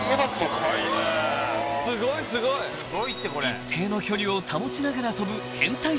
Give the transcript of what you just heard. ［一定の距離を保ちながら飛ぶ］